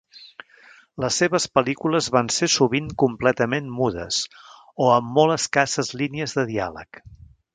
Les seves pel·lícules van ser sovint completament mudes, o amb molt escasses línies de diàleg.